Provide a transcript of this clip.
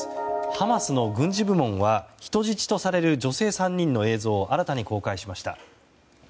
ハマスの軍事部門は人質とされる女性３人の映像を新たに公開しました。